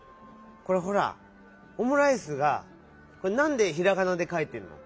これほら「オムライス」がなんでひらがなでかいてるの？